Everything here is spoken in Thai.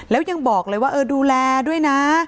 แล้วยังบอกเลยว่าเออดูแลด้วยนะ